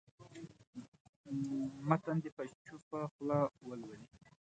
متن دې په چوپه خوله ولولي.